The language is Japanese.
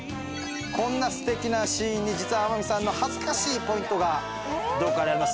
こんなすてきなシーンに実は天海さんの恥ずかしいポイントがどっかにあります。